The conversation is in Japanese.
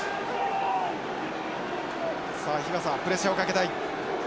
さあ日和佐プレッシャーをかけたい。